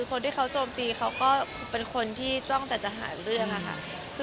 คนที่เขาโจมตีเขาก็เป็นคนที่จ้องแต่จะหาเรื่องค่ะ